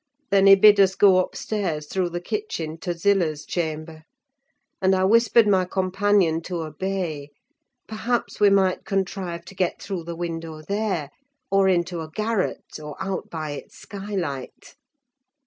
Then he bid us go upstairs, through the kitchen, to Zillah's chamber; and I whispered my companion to obey: perhaps we might contrive to get through the window there, or into a garret, and out by its skylight.